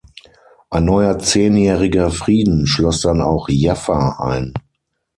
Ein neuer zehnjähriger Frieden schloss dann auch Jaffa ein.